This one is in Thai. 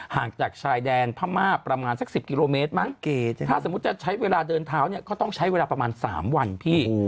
ห่างจากชายแดนพม่าประมาณสัก๑๐กิโลเมตรมั้งถ้าสมมุติจะใช้เวลาเดินเท้าเนี่ยก็ต้องใช้เวลาประมาณ๓วันพี่